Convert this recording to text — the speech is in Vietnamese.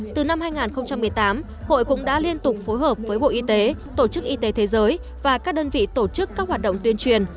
từ năm hai nghìn một mươi tám hội cũng đã liên tục phối hợp với bộ y tế tổ chức y tế thế giới và các đơn vị tổ chức các hoạt động tuyên truyền